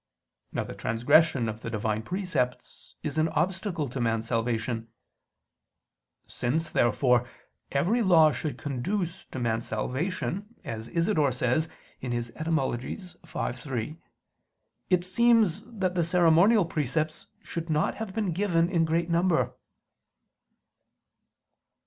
Now the transgression of the Divine precepts is an obstacle to man's salvation. Since, therefore, every law should conduce to man's salvation, as Isidore says (Etym. v, 3), it seems that the ceremonial precepts should not have been given in great number.